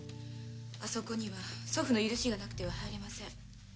あそこには祖父の許しがなくては入れません。